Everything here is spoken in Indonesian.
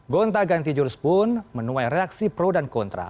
gonta ganti jurus pun menuai reaksi pro dan kontra